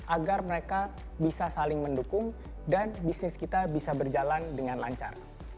agar mereka bisa saling mendukung dan bisnis kita bisa berjalan dengan lancar